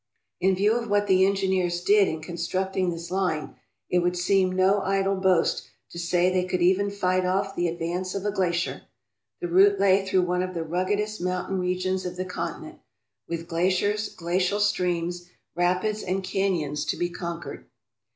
In view of what the engineers did in constructing this line, it would seem no idle boast to say they could even fight off the advance of a glacier. The route lay through one of the ruggedest mountain regions of the continent, with glaciers, glacial streams, rapids, and can yons to be conquered.